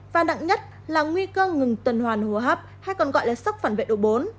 và nặng nhất là nguy cơ ngừng tuần hoàn hô hấp hay còn gọi là sốc phản vệ độ bốn